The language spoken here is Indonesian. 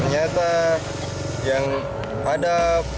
nyata yang ada